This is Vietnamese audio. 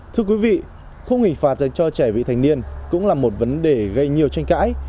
thưa quý vị khu nghỉ phạt dành cho trẻ vị thanh niên cũng là một vấn đề gây nhiều tranh cãi